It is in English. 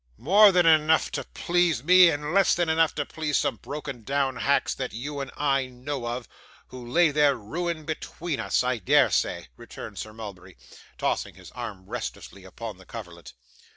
'More than enough to please me, and less than enough to please some broken down hacks that you and I know of, and who lay their ruin between us, I dare say,' returned Sir Mulberry, tossing his arm restlessly upon the coverlet.